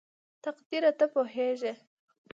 تقديره ته پوهېږې??